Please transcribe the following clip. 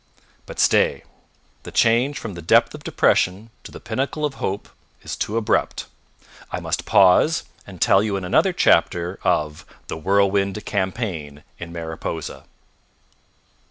But stay! The change from the depth of depression to the pinnacle of hope is too abrupt. I must pause and tell you in another chapter of the Whirlwind Campaign in Mariposa.